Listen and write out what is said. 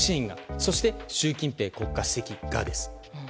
そして習近平国家主席がです。